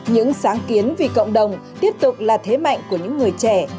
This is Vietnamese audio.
những sáng kiến vì cộng đồng tiếp tục là thế mạnh của những người trẻ